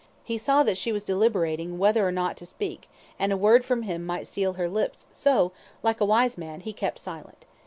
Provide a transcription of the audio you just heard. He saw that she was deliberating whether or not to speak, and a word from him might seal her lips, so, like a wise man, he kept silent.